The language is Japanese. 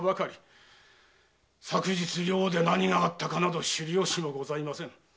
昨日寮で何があったかなど知るよしもございません。